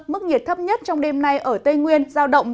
mức nhiệt thấp nhất trong đêm nay ở tây nguyên giao động